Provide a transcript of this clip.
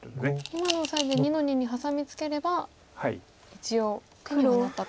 今のオサエで２の二にハサミツケれば一応手にはなったと。